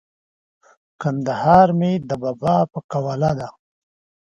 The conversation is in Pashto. کندهار مې د بابا په قواله دی!